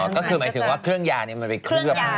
ก็คือหมายถึงว่าเครื่องยานี่มันเป็นเครื่องข้างนอก